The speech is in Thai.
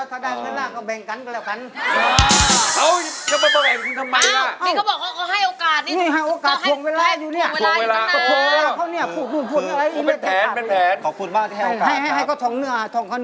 ถ้าได้เวลาก็แบ่งกันกันแล้วครับ